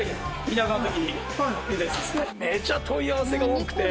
めちゃ問い合わせが多くて。